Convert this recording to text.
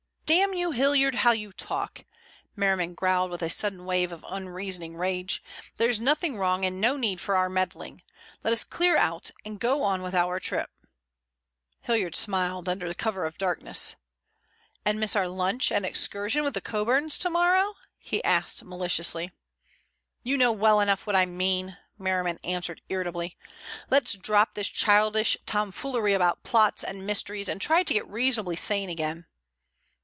"Damn you, Hilliard, how you talk," Merriman growled with a sudden wave of unreasoning rage. "There's nothing wrong and no need for our meddling. Let us clear out and go on with our trip." Hilliard smiled under cover of darkness. "And miss our lunch and excursion with the Coburns to morrow?" he asked maliciously. "You know well enough what I mean," Merriman answered irritably. "Let's drop this childish tomfoolery about plots and mysteries and try to get reasonably sane again.